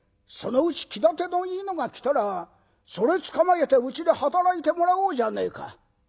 そのうち気立てのいいのが来たらそれつかまえてうちで働いてもらおうじゃねえか。